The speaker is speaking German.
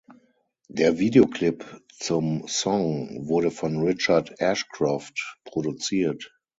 Der Videoclip zum Song wurde von Richard Ashcroft produziert.